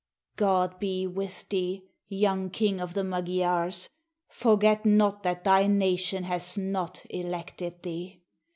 God be with thee, young King of the Magyars, forget not that thy nation has not elected thee!